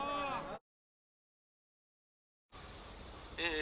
「え